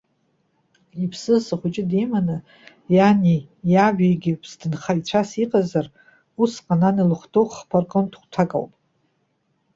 Иԥсыз, ахәыҷы диманы, иани иабигьы ԥсҭынхаҩцәас иҟазар, усҟан ан илыхәҭоу хԥа рҟынтә хәҭак ауп.